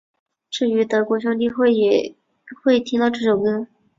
至于德国兄弟会也会听到这首歌曲。